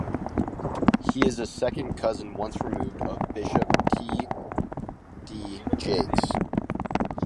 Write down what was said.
He is a second cousin once removed of Bishop T. D. Jakes.